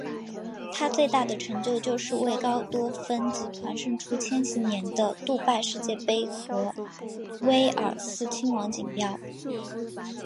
它最大的成就就是为高多芬集团胜出千禧年的杜拜世界杯和威尔斯亲王锦标。